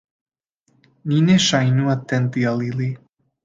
Ni ne ŝajnu atenti al ili.